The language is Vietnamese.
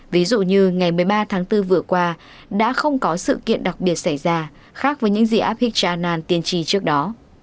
ví dụ như ngày một mươi ba tháng bốn vừa qua đã không có sự kiện đặc biệt xảy ra khác với những gì apex chanan tiên tri trước đó